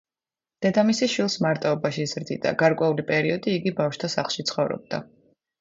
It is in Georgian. დედამისი შვილს მარტოობაში ზრდიდა, გარკვეული პერიოდი იგი ბავშთა სახლში ცხოვრობდა.